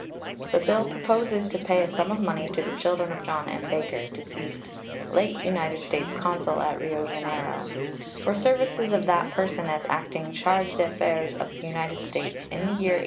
The bill proposes to pay a sum of money to the children of John M. Baker, deceased, late United States consul at Rio Janeiro, for services of that person as acting chargé d'affaires of the United States in the year 1834.